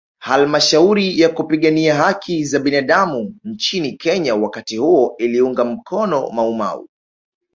Halmashauri ya kupigania haki za binadamu nchini Kenya wakati huo iliunga mkono maumau